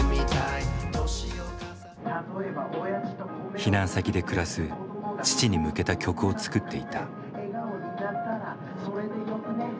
避難先で暮らす父に向けた曲を作っていた。